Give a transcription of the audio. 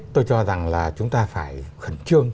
tôi cho rằng là chúng ta phải khẩn trương